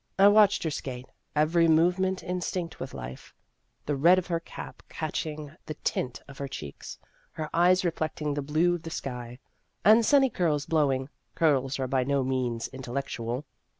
I watched her skate every movement instinct with life, the red of her cap catching the tint of her cheeks, her eyes reflecting the blue of the sky, and sunny curls blowing (curls are by no means intellectual).